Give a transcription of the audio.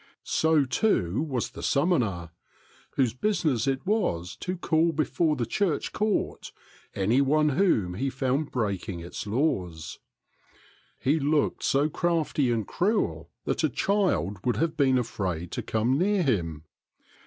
So, too, was the summoner, whose business it was to call before the church court any one whom he found break ing its laws. He looked so crafty and cruel that a child would have been afraid to come near him.